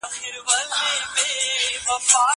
هغه څوک چي ليکنې کوي پوهه زياتوي!